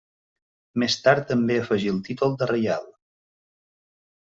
Més tard també afegí el títol de reial.